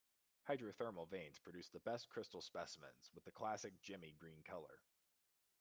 Hydrothermal veins produce the best crystal specimens with the classic gemmy green color.